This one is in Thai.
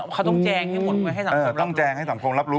เขาต้องแจงให้มนตนรับรู้